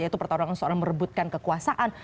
yaitu pertarungan soal merebutkan kekuasaan